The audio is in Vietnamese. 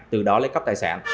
từ đó lấy cấp tài sản